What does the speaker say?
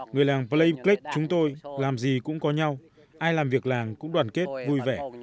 người làng plei plek chúng tôi làm gì cũng có nhau ai làm việc làng cũng đoàn kết vui vẻ